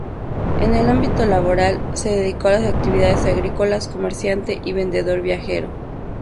En el ámbito laboral, se dedicó a las actividades agrícolas, comerciante y vendedor viajero.